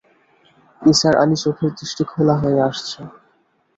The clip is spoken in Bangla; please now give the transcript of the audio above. নিসার আলির চোখের দৃষ্টি ঘোলা হয়ে আসছে।